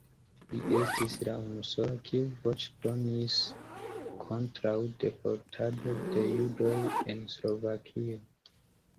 Li estis la unusola, kiu voĉdonis kontraŭ deportado de judoj en Slovakio.